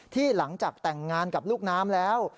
หลังจากแต่งงานกับลูกน้ำแล้ว